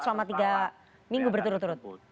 selama tiga minggu berturut turut